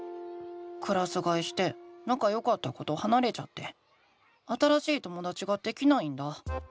クラスがえしてなかよかった子とはなれちゃって新しいともだちができないんだ。